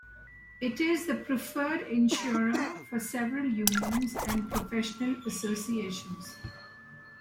It is the preferred insurer for several unions and professional associations.